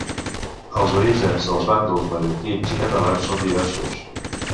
Els orígens dels bàndols mallorquins i catalans són diversos.